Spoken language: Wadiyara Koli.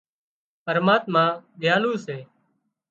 پرماتما ۮيالو سي